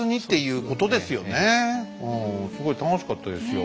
うんすごい楽しかったですよ。